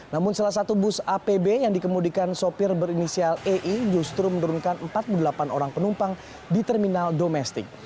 namun salah satu bus apb yang dikemudikan sopir berinisial ei justru menurunkan empat puluh delapan orang penumpang di terminal domestik